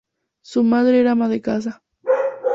Su madre era ama de casa.